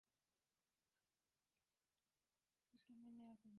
Kumail Nanjiani Angelina Jolie کے hero بننے سے قبل اوبر ڈرائیور بن گئے